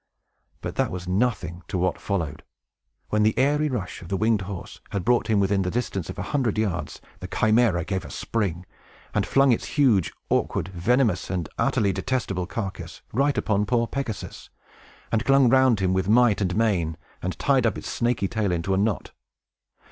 But this was nothing to what followed. When the airy rush of the winged horse had brought him within the distance of a hundred yards, the Chimæra gave a spring, and flung its huge, awkward, venomous, and utterly detestable carcass right upon poor Pegasus, clung round him with might and main, and tied up its snaky tail into a knot!